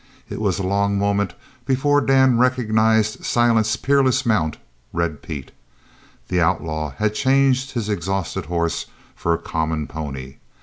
It was a long moment before Dan recognized Silent's peerless mount, Red Pete. The outlaw had changed his exhausted horse for a common pony.